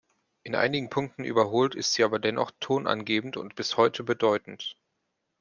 In einigen Punkten überholt ist sie aber dennoch tonangebend und bis heute bedeutend.